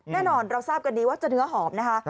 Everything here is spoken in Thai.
แน่นอนเราทราบกันดีว่าจะเนื้อหอมนะคะ